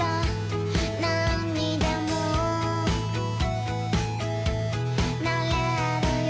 「何にでもなれるよ」